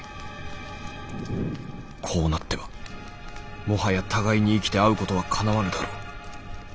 こうなってはもはや互いに生きて会うことはかなわぬだろう。